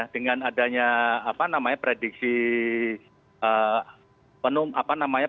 dengan adanya prediksi penuh